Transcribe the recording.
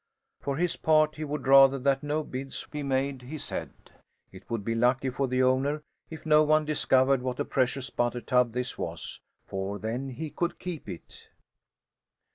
For his part, he would rather that no bids be made, he said. It would be lucky for the owner if no one discovered what a precious butter tub this was, for then he could keep it.